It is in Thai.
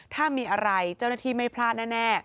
ถ้ามีอะไรเจ้าหน้าที่ไม่พลาดแน่